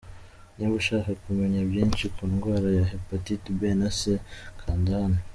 Niba ushaka kumenya byinshi ku ndwara ya hepatite B na C kanda hano.